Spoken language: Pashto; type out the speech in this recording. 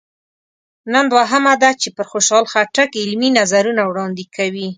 نن دوهمه ده چې پر خوشحال خټک علمي نظرونه وړاندې کوي.